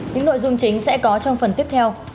những nội dung chính sẽ có trong phần tiếp theo